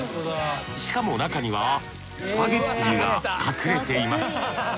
しかも中にはスパゲッティが隠れています。